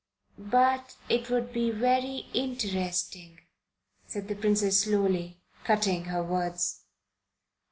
"But it would be very interesting," said the Princess slowly, cutting her words.